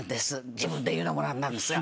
自分で言うのも何なんですが。